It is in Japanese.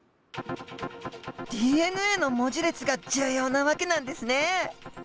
ＤＮＡの文字列が重要な訳なんですね。